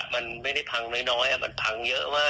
มันไม่ได้พังน้อยมันพังเยอะมาก